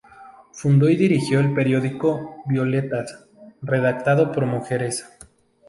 Fundó y dirigió el periódico "Violetas" redactado por mujeres.